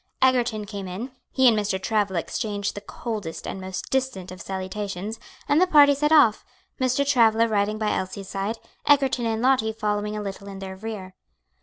Egerton came in, he and Mr. Travilla exchanged the coldest and most distant of salutations, and the party set off; Mr. Travilla riding by Elsie's side, Egerton and Lottie following a little in their rear.